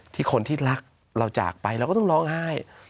คนที่รักเราจากไปเราก็ต้องร้องไห้